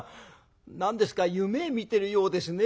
何ですか夢見てるようですね。